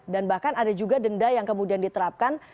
dan bahkan ada juga denda yang kemudian diterapkan